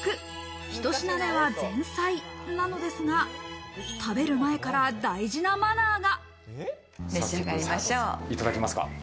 ひと品目は前菜なのですが食べる前から大事なマナーが。